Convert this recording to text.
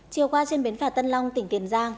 chiều qua trên bến phà tân long tỉnh tiền giang